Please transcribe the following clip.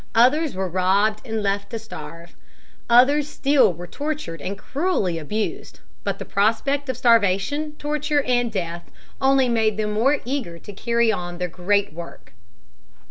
Others were robbed and left to starve. Others still were tortured and cruelly abused. But the prospect of starvation, torture, and death only made them more eager to carry on their great work.